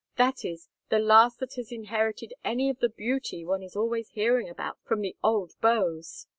That is, the last that has inherited any of the beauty one is always hearing about from the old beaux.